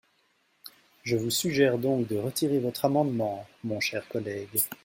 Je vous suggère donc de retirer votre amendement, mon cher collègue.